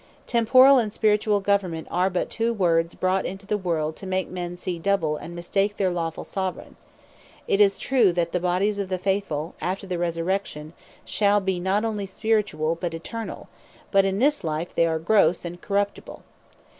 Temporall and Spirituall Government, are but two words brought into the world, to make men see double, and mistake their Lawfull Soveraign. It is true, that the bodies of the faithfull, after the Resurrection shall be not onely Spirituall, but Eternall; but in this life they are grosse, and corruptible.